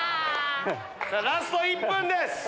ラスト１分です！